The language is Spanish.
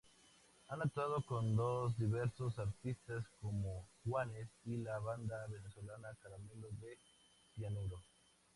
Han actuado con diversos artistas como Juanes y la banda venezolana Caramelos de cianuro.